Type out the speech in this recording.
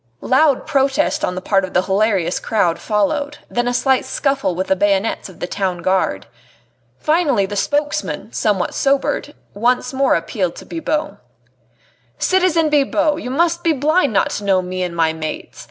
Loud protest on the part of the hilarious crowd followed, then a slight scuffle with the bayonets of the Town Guard. Finally the spokesman, somewhat sobered, once more appealed to Bibot. "Citizen Bibot! you must be blind not to know me and my mates!